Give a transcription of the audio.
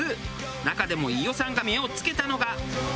中でも飯尾さんが目を付けたのが。